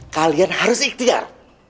kalian harus ikhtiar